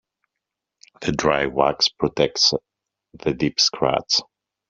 The dry wax protects the deep scratch.